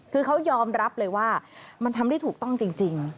คือเขายอมรับเลยว่ามันทำได้ถูกต้องจริง